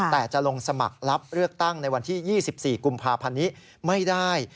แต่จะลงสมัครรับเลือกตั้งในวันที่๒๔กุมภาพันธ์นี้ไม่ได้